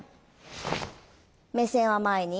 ３目線は前に！